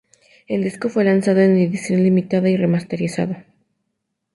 El disco fue lanzado en edición limitada y remasterizado.